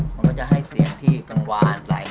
มันก็จะให้เสียงที่กังวานไหล